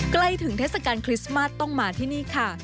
ใกล้ถึงเทศกาลคริสต์มาสต้องมาที่นี่ค่ะ